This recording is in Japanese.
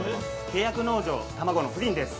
契約農場たまごのプリンです。